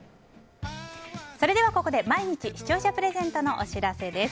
それではここで毎日視聴者プレゼントのお知らせです。